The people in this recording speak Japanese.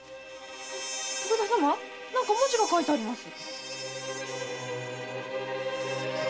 徳田様何か文字が書いてあります。